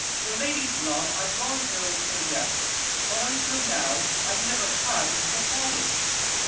The lady's love I long ago possess'd : But until now I never had the father's.